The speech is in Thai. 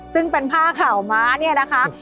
ซึ่งเป็นผ้าข่าวม้าเนี่ยนะคะ